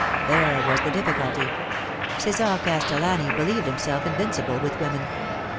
There was the difficulty. Ce"sar Castellani believed himself invincible with women.